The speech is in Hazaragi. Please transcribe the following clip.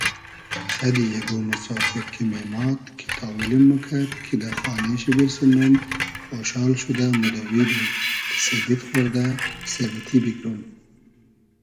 خئدی یئگۉ موسافیر کی مېماد کی تاولیم موکئد کی دۂ خانې شی بیرسینوم خۉشال شودۂ مودئویدوم کی سېبید خۉردۂ سېبتی بیگروم